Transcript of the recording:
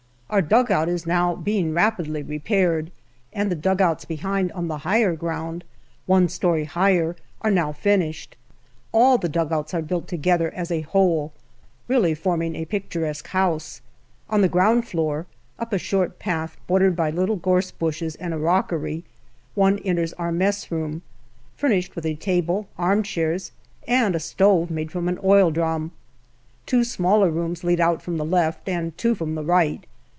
Our dugout is now being rapidly repaired, and the dugouts behind on the higher ground, one story higher, are now finished. All the dugouts are built together as a whole, really forming a picturesque house. On the ground floor, up a short path bordered by little gorse bushes and a rockery, one enters our messroom, furnished with a table, arm chairs, and a stove made from an oil drum. Two smaller rooms lead out from the left, and two from the right.